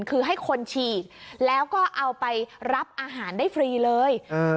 คือให้คนฉีดแล้วก็เอาไปรับอาหารได้ฟรีเลย